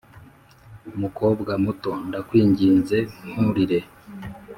"mukobwa muto, ndakwinginze nturire.